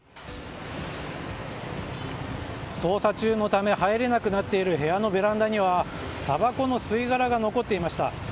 捜査中のため入れなくなっている部屋のベランダにはたばこの吸い殻が残っていました。